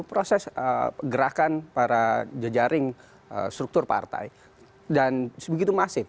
proses gerakan para jejaring struktur partai dan sebegitu masif